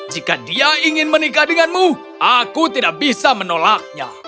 jika dia ingin menikah denganmu aku tidak bisa menolaknya